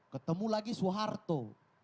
ketemu lagi soeharto